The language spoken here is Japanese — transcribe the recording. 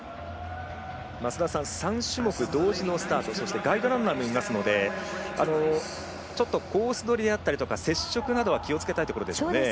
増田さん、３種目同時のスタートそしてガイドランナーもいますのでコース取りや接触などは気をつけたいところですね。